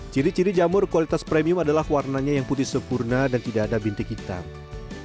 ciri ciri jamur kualitas premium adalah warnanya yang putih sempurna dan tidak ada bintik hitam